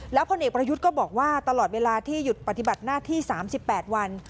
พลเอกประยุทธ์ก็บอกว่าตลอดเวลาที่หยุดปฏิบัติหน้าที่๓๘วัน